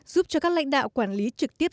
giúp cho các lãnh đạo quản lý trực tiếp